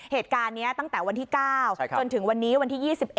เหตุการณ์นี้ตั้งแต่วันที่๙จนถึงวันนี้วันที่๒๑